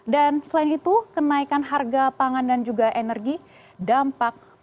dan selain itu kenaikan harga pangan dan juga energi dampak perusahaan